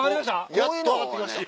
やっと上がってきました。